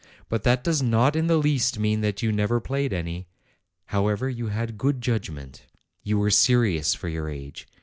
But that does not in the least mean that you never played any. However, you had good judgment; you were serious for your age.